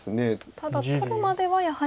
ただ取るまではやはり。